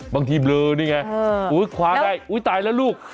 บางทีเบลอนี่ไงคว้าได้อุ๊ยตายแล้วลูก